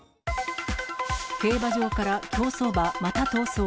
競馬場から競走馬また逃走。